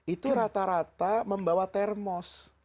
itu rata rata membawa termos